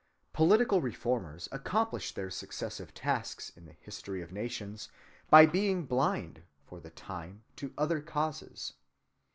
Political reformers accomplish their successive tasks in the history of nations by being blind for the time to other causes.